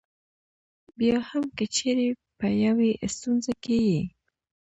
بیا هم که چېرې په یوې ستونزه کې یې.